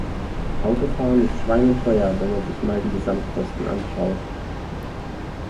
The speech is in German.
Autofahren ist schweineteuer, wenn man sich mal die Gesamtkosten anschaut.